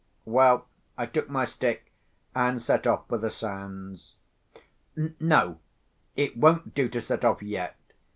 Well, I took my stick, and set off for the sands. No! it won't do to set off yet.